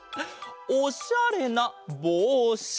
おしゃれなぼうし。